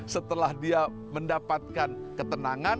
setelah dia mendapatkan ketenangan